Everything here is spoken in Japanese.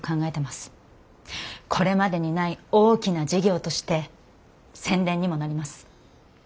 これまでにない大きな事業として宣伝にもなります。